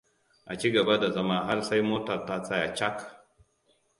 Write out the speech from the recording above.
A ci gaba da zama har sai motar ta tsaya cak.